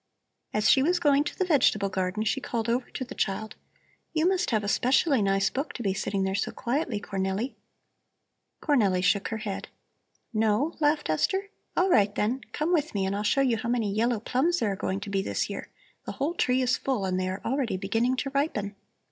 As she was going to the vegetable garden she called over to the child: "You must have a specially nice book to be sitting there so quietly, Cornelli." Cornelli shook her head. "No?" laughed Esther. "All right, then, come with me and I'll show you how many yellow plums there are going to be this year; the whole tree is full and they are already beginning to ripen."